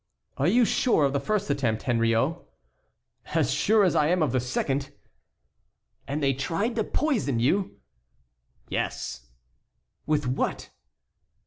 "Are you sure of the first attempt, Henriot?" "As sure as I am of the second." "And they tried to poison you?" "Yes." "With what?"